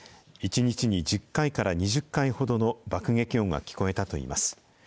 １日に１０回から２０回ほどの爆撃音が聞こえたといいます。